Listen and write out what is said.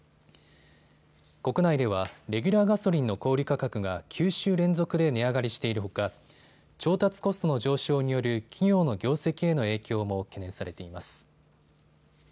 国内ではレギュラーガソリンの小売価格が９週連続で値上がりしているほか調達コストの上昇による企業の業績への影響も懸念されています。